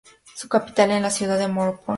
Su capital es la ciudad de Morropón.